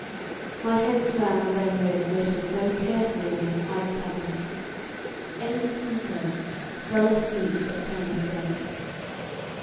"My head swam, as I read, lettered so carefully on the white tablet: "'AMY SINCLAIR, _Fell asleep September third.'